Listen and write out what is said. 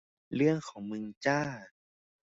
เรื่องของมึงจ้า